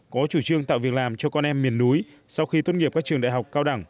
có chủ trương tạo việc làm cho con em miền núi sau khi tốt nghiệp các trường đại học cao đẳng